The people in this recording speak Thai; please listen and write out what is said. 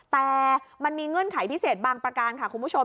แต่มันมีเงื่อนไขพิเศษบางประการค่ะคุณผู้ชม